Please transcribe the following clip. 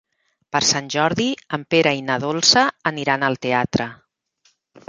Per Sant Jordi en Pere i na Dolça aniran al teatre.